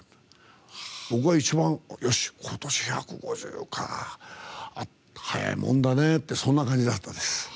僕が、一番、よし今年１５０回か早いもんだねってそんな感じでした。